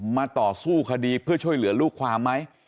มาต่อสู้คดีเพื่อช่วยเหลือลูกความไหม